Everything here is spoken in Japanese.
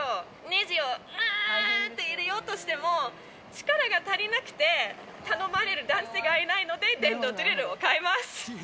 ネジを入れようとしても、力が足りなくて、頼まれる男性がいないので、電動ドリルを買います。